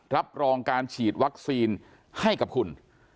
รับรองการฉีดวัคซีนให้กับคุณ